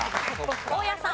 大家さん。